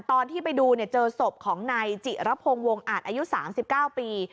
ตอนที่ไปดูเจอศพของนายจิระพงศ์วงอาจอายุ๓๙ปี